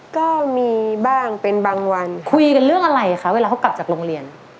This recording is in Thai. ก็มีบ้างเป็นบางวันคุยกันเรื่องอะไรคะเวลาเขากลับจากโรงเรียน